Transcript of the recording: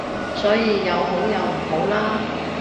所以有好有唔好啦